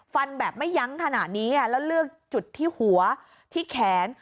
ฟันแบบไม่ยั้งขนาดนี้แล้วเลือกจุดที่หัวที่แขน